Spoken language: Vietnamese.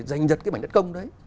giành nhật cái mảnh đất công đấy